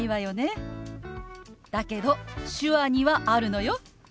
だけど手話にはあるのよ。